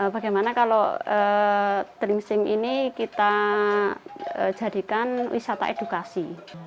bagaimana kalau tlingsing ini kita jadikan wisata edukasi